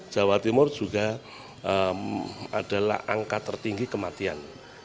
jawa timur juga adalah angka tertinggi kematian